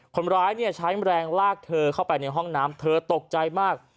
คนร้ายใช้แรงลากเธอเข้าไปในห้องน้ำเธอตกใจมาก